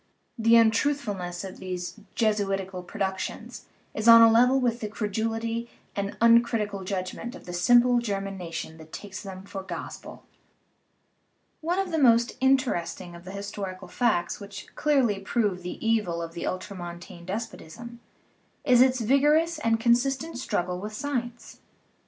The untruthfulness of these Jesu itical productions is on a level with the credulity and the uncritical judgment of the simple German nation that takes them for gospel. One of the most interesting of the historical facts which clearly prove the evil of the ultramontane des potism is its vigorous and consistent struggle with sci ence.